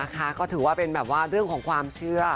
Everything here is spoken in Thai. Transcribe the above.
ก็ถือว่าเป็นแบบว่าเรื่องของความเชื่อ